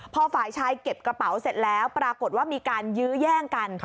พอฝ่ายชายเก็บกระเป๋าเสร็จแล้วปรากฏว่ามีการยื้อแย่งกัน